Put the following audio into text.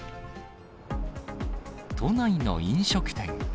都内の飲食店。